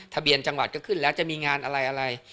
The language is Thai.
ทะเบียนจังหวัดก็ขึ้นแล้วจะมีงานอะไร